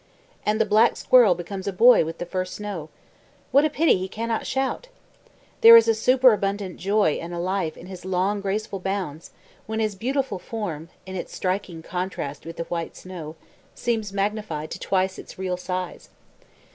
And the black squirrel becomes a boy with the first snow. What a pity he cannot shout! There is a superabundant joy and life in his long, graceful bounds, when his beautiful form, in its striking contrast with the white snow, seems magnified to twice its real size.